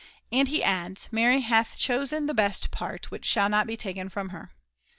And he adds: 'Mary hath chosen the best part, which shall not be taken from her.'